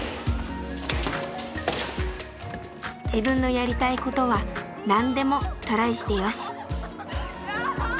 自分のやりたいことは何でもトライしてよし。